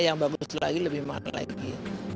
yang bagus lagi lebih matang lagi